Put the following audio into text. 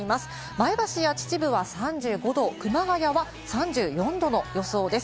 前橋や秩父は３５度、熊谷は３４度の予想です。